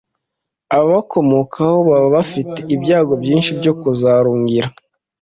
ababakomokaho baba bafite ibyago byinshi byo kuzarugira